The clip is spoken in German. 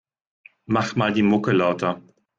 Mach mal die Mucke lauter.